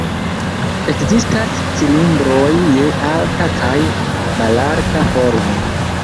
Ekzistas cilindroj je alta kaj malalta formo.